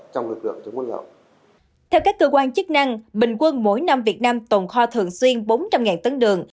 theo các cơ quan chức năng bình quân mỗi năm việt nam tồn kho thường xuyên bốn trăm linh tấn đường